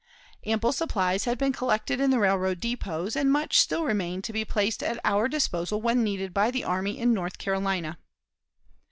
Ample supplies had been collected in the railroad depots, and much still remained to be placed at our disposal when needed by the army in North Carolina.